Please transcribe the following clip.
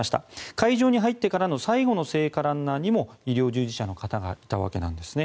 会場に入ってからの最後の聖火ランナーにも医療従事者の方がいたわけなんですね。